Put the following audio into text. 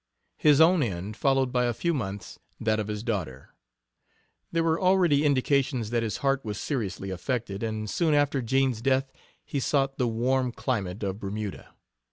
His own end followed by a few months that of his daughter. There were already indications that his heart was seriously affected, and soon after Jean's death he sought the warm climate of Bermuda.